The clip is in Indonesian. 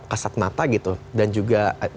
kasat mata gitu dan juga